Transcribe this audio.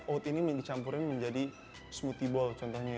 oat ini dicampurkan menjadi smoothie bowl